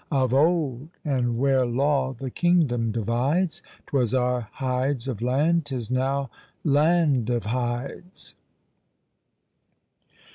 _ Of old, and where law the kingdom divides, 'Twas our Hydes of land, 'tis now land of Hydes!